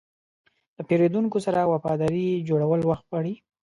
د پیرودونکو سره وفاداري جوړول وخت غواړي.